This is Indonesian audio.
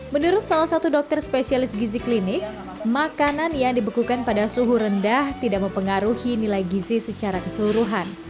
menurut salah satu dokter spesialis gizi klinik makanan yang dibekukan pada suhu rendah tidak mempengaruhi nilai gizi secara keseluruhan